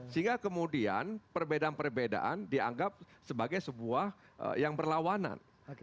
sehingga kemudian perbedaan perbedaan dianggap sebagai sebuah yang berlawanan